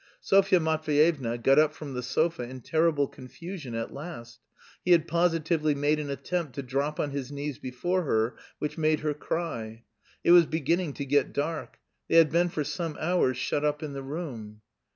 Sofya Matveyevna got up from the sofa in terrible confusion at last. He had positively made an attempt to drop on his knees before her, which made her cry. It was beginning to get dark. They had been for some hours shut up in the room....